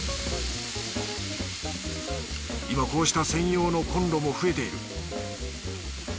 今こうした専用のこんろも増えている。